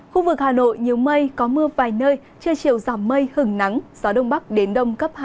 khu vực hà nội nhiều mây có mưa vài nơi chưa chiều gió mây hừng nắng gió đông bắc đến đông cấp hai cấp ba